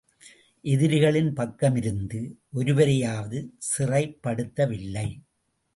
எதிரிகளின் பக்கமிருந்து, ஒருவரையாவது சிறைப் படுத்தவில்லை.